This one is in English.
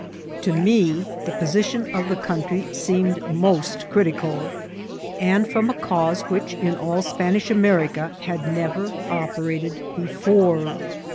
To me the position of the country seemed most crit ical, and from a cause which in all Spanish America had never operated before.